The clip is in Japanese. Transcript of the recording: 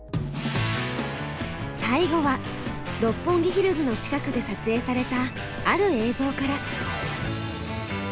最後は六本木ヒルズの近くで撮影されたある映像から。